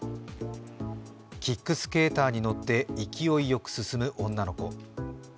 キックスケーターに乗って、勢いよく進む女の子。